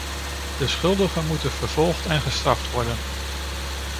De schuldigen moeten vervolgd en gestraft worden.